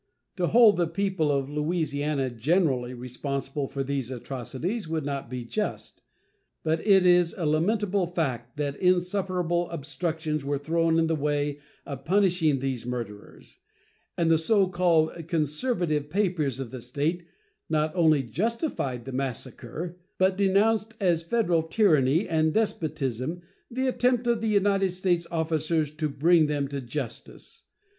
To hold the people of Louisiana generally responsible for these atrocities would not be just, but it is a lamentable fact that insuperable obstructions were thrown in the way of punishing these murderers; and the so called conservative papers of the State not only justified the massacre, but denounced as Federal tyranny and despotism the attempt of the United States officers to bring them to justice.